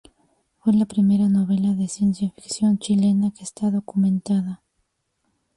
Fue la primera novela de ciencia ficción chilena que está documentada.